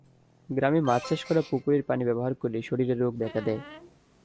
গ্রামে মাছ চাষ করা পুকুরের পানি ব্যবহার করলে শরীরে রোগ দেখা দেয়।